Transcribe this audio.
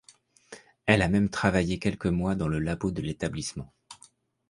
Elle a même travaillé quelques mois dans le labo de l'établissement.